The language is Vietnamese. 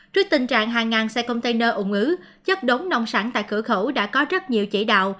trước tình trạng hàng ngàn xe container ủng ứ chất đống nông sản tại cửa khẩu đã có rất nhiều chỉ đạo